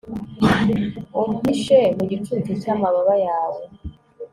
umpishe mu gicucu cy'amababa yawe